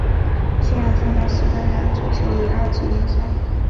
现在参加西班牙足球乙二级联赛。